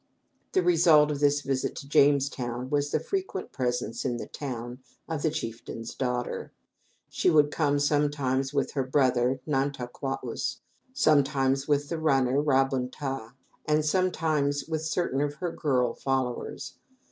The result of this visit to Jamestown was the frequent presence in the town of the chieftain's daughter. She would come, sometimes, with her brother, Nan ta qua us, sometimes with the runner, Ra bun ta, and sometimes with certain of her girl followers.